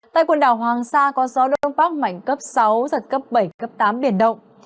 tại quần đảo hoàng sa có gió đông phát mạnh cấp sáu giật cấp bảy cấp tám điển động